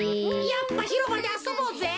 やっぱひろばであそぼうぜ！